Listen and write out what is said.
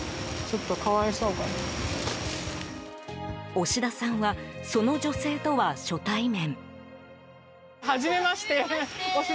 押田さんはその女性とは初対面。